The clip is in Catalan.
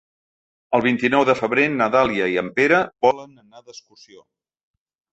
El vint-i-nou de febrer na Dàlia i en Pere volen anar d'excursió.